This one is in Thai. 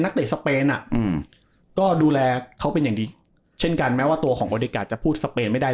นักเตะอืมก็ดูแลเขาเป็นอย่างดีเช่นกันแม้ว่าตัวของจะพูดไม่ได้